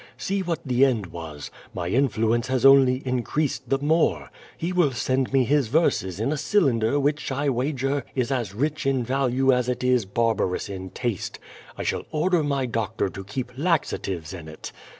See what the end was. My influence lias only increased the more, lie will send mo his verses in a cylinder which I wager is as rich in value as it is barbarous in taste. I shall order my doctor to keep laxa tives in it.